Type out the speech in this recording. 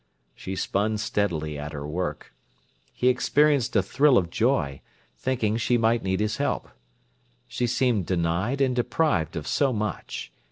She spun steadily at her work. He experienced a thrill of joy, thinking she might need his help. She seemed denied and deprived of so much.